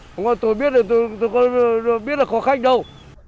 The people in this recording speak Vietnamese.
không có tôi biết là có khách đâu